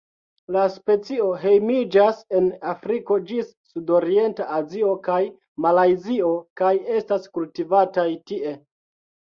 La specio hejmiĝas de Afriko ĝis Sudorienta Azio kaj Malajzio kaj estas kultivataj tie.